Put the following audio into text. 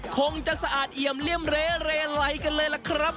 คงจะสะอาดเอี่ยมเลี่ยมเรไลกันเลยล่ะครับ